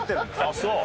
あっそう？